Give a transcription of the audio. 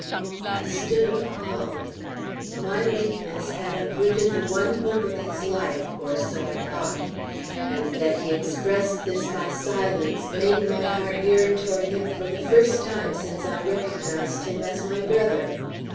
I stood appalled. My weakness had uprooted the one hope of his life, or so I thought; and that he expressed this by silence made my heart yearn toward him for the first time since I recognized him as my brother.